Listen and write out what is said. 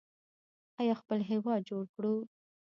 آیا خپل هیواد جوړ کړو؟